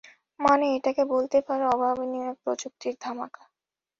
মানে, এটাকে বলতে পারো অভাবনীয় এক প্রযুক্তির ধামাকা!